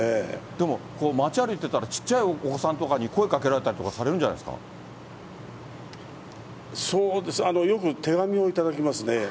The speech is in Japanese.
でも街歩いてたら、ちっちゃいお子さんとかに声かけられたりそうですね、よく手紙を頂きますね。